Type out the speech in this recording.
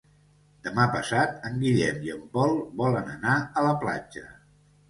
Demà passat en Guillem i en Pol volen anar a la platja.